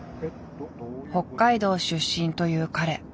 北海道出身という彼。